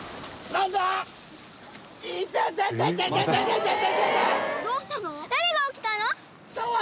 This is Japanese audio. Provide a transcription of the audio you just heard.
何が起きたの！？